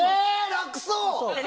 楽そう！